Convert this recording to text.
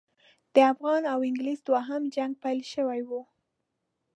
د افغان او انګلیس دوهم جنګ پیل شوی وو.